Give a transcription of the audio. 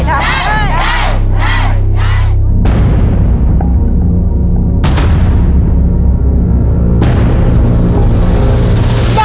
ได้ครับ